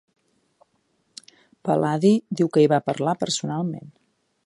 Pal·ladi diu que hi va parlar personalment.